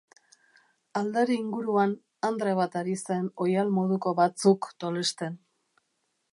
Aldare inguruan andre bat ari zen oihal moduko batzuk tolesten.